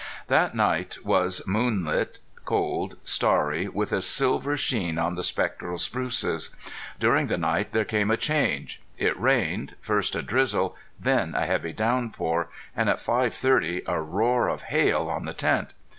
That night was moonlight, cold, starry, with a silver sheen on the spectral spruces. During the night there came a change; it rained first a drizzle, then a heavy downpour, and at five thirty a roar of hail on the tent.